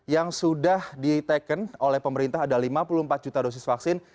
yang sudah diteken oleh pemerintah ada lima puluh empat juta dosis vaksin